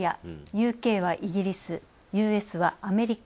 ＵＫはイギリス、ＵＳはアメリカ。